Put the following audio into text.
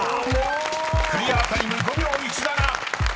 ［クリアタイム５秒１７］